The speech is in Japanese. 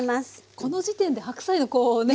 この時点で白菜のこうね